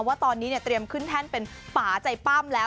ว่าตอนนี้เนี่ยเตรียมขึ้นแท่นเป็นป่าใจปั้มแล้ว